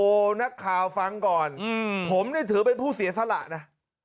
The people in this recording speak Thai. โอ้โหนักข่าวฟังก่อนผมเนี่ยถือเป็นผู้เสียสละนะ